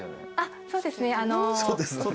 そうですねあの。